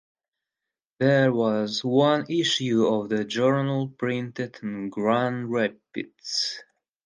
There was one issue of the journal printed in Grand Rapids.